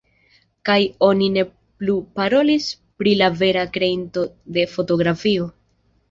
Kaj oni ne plu parolis pri la vera kreinto de fotografio.